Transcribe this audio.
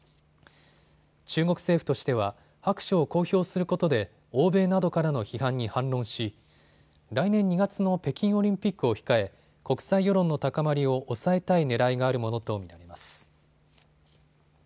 中国政府としては白書を公表することで欧米などからの批判に反論し、来年２月の北京オリンピックを控え国際世論の高まりを抑えたいねらいがあるものと見られます。